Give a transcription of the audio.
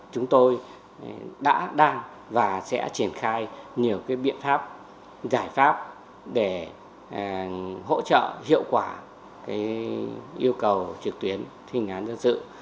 chúng tôi đã đang và sẽ triển khai nhiều biện pháp giải pháp để hỗ trợ hiệu quả yêu cầu trực tuyến thi hành án dân sự